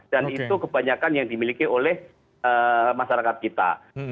dan tidak hanya yang dimiliki oleh masyarakat kita